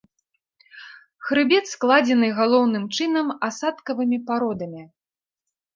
Хрыбет складзены галоўным чынам асадкавымі пародамі.